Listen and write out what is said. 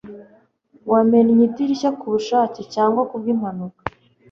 wamennye idirishya kubushake cyangwa kubwimpanuka